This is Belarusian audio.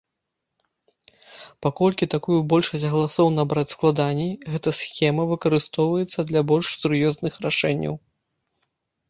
Паколькі такую большасць галасоў набраць складаней, гэта схема выкарыстоўваецца для больш сур'ёзных рашэнняў.